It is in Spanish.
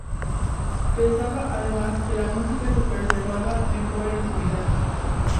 Pensaba además que la música se preservaba mejor en la intimidad.